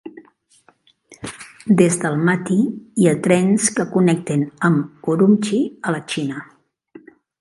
Des d'Almaty hi ha trens que connecten amb Ürümchi, a la Xina.